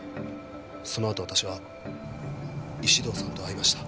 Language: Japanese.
そのあと私は石堂さんと会いました。